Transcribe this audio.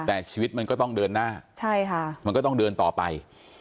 แต่ชีวิตมันก็ต้องเดินหน้าใช่ค่ะมันก็ต้องเดินต่อไป